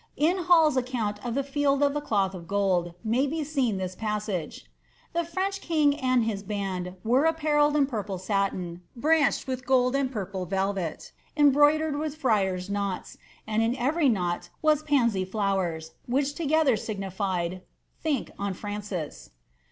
In Hall's account of the Field of the Cloth of Gold * may be seen thii passage :^ The French king and his band were apparelled in porple satin, branched with gold and purple velvet, embroidered with friiari knols^ and in every knot was pansy flowers, which together aigniiied, * Think on Francis.'"